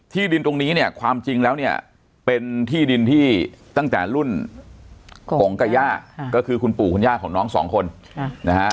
ดินตรงนี้เนี่ยความจริงแล้วเนี่ยเป็นที่ดินที่ตั้งแต่รุ่นของกับย่าก็คือคุณปู่คุณย่าของน้องสองคนนะฮะ